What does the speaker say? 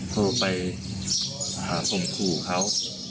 โทรไปหาผงปู่เขา